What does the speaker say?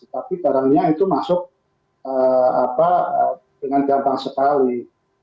tapi barangnya itu masuk dengan gampang sekali